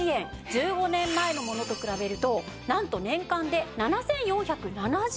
１５年前のものと比べるとなんと年間で７４７０円もお得なんです。